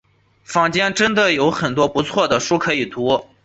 坊间真的有很多不错的书可以读